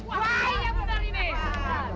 wah iya bener ini